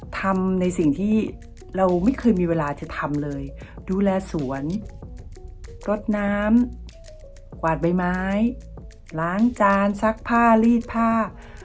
ทำในสิ่งที่เราไม่เคยมีเวลาจะทำเลยดูแลสวนรดน้ำกวาดใบไม้ล้างจานซักผ้าลีดผ้า